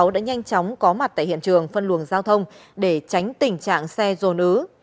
đã nhanh chóng có mặt tại hiện trường phân luồng giao thông để tránh tình trạng xe dồn ứ